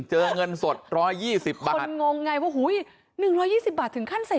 เจอเงินสดร้อยยี่สิบบาทคนงงไงว้าวอุ้ยหนึ่งร้อยยี่สิบบาทถึงขั้นใส่